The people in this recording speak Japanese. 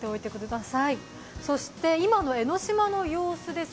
そして今の江の島の様子です。